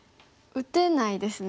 打てないですね。